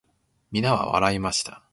皆は笑いました。